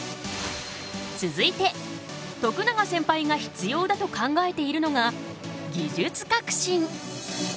続いて徳永センパイが必要だと考えているのが「技術革新」。